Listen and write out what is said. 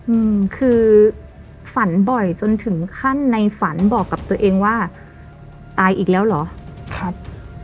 อืมคือฝันบ่อยจนถึงขั้นในฝันบอกกับตัวเองว่าตายอีกแล้วเหรอครับ